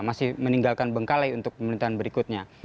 masih meninggalkan bengkalai untuk pemerintahan berikutnya